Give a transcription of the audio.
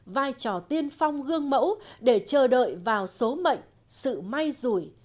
vai trò tiên phong gương mẫu để chờ đợi vào số mệnh sự may rủi